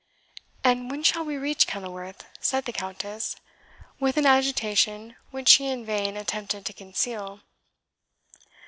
"And when shall we reach Kenilworth? said the Countess, with an agitation which she in vain attempted to conceal.